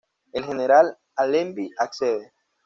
El general Allenby accede.